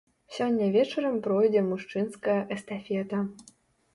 Сёння вечарам пройдзе мужчынская эстафета.